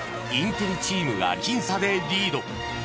［インテリチームが僅差でリード］